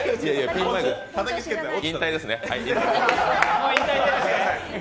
引退ですね、はい。